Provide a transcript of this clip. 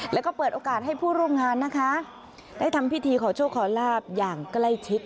แล้วก็เปิดโอกาสให้ผู้ร่วมงานนะคะได้ทำพิธีขอโชคขอลาบอย่างใกล้ชิด